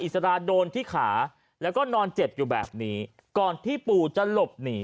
สราโดนที่ขาแล้วก็นอนเจ็บอยู่แบบนี้ก่อนที่ปู่จะหลบหนี